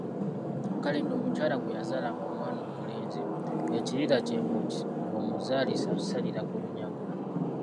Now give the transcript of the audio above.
Kale nno, omukyala bwe yazaalanga omwana omulenzi ekirira kye ng’omuzaalisa akisalira ku lunyago.